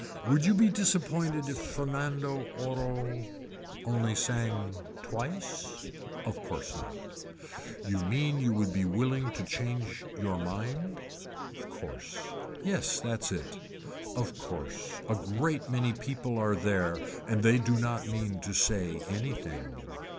Would you be disappointed if Fernando Orro only sang twice. Of course not. You mean you would be willing to change your mind. Of course. Yes that's it. Of course a great many people are there and they do not mean to say anything.